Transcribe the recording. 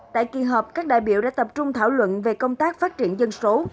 tại kỳ họp các đại biểu đã tập trung thảo luận về công tác phát triển dân số